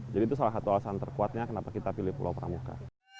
jadi itu salah satu alasan terkuatnya kenapa kita pilih pulau pramuka